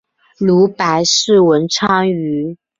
如白氏文昌鱼。